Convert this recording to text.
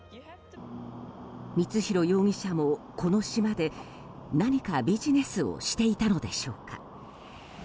光弘容疑者もこの島で何かビジネスをしていたのでしょうか。